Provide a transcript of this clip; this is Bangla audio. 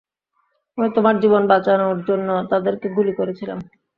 আমি তোমার জীবন বাঁচানোর জন্য তাদেরকে গুলি করেছিলাম।